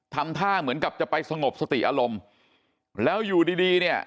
ทำท่าเหมือนกับจะไปสงบสติอารมณ์แล้วอยู่ดีดีเนี่ย